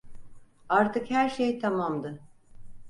Artık her şey tamamdı.